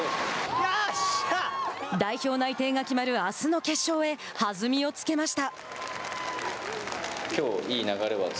代表内定が決まるあすの決勝へ弾みをつけました。